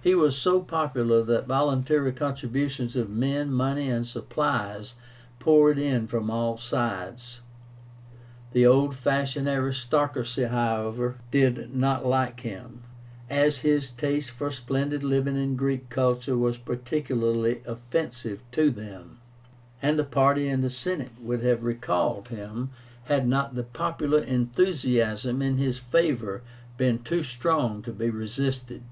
He was so popular that voluntary contributions of men, money, and supplies poured in from all sides. The old fashioned aristocracy, however, did not like him, as his taste for splendid living and Greek culture was particularly offensive to them; and a party in the Senate would have recalled him, had not the popular enthusiasm in his favor been too strong to be resisted.